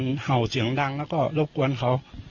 มันเห่าเสียงดังแล้วก็รบกวนเขา